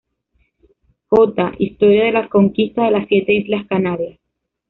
J. Historia de la Conquista de las Siete Islas Canarias.